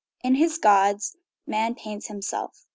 "In his gods man paints himself."